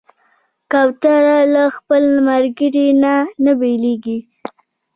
کوتره له خپل ملګري نه نه بېلېږي.